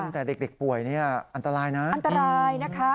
แต่เด็กป่วยนี่อันตรายนะอันตรายนะคะ